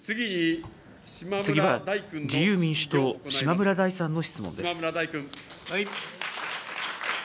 次に自由民主党の島村大さんの質問です。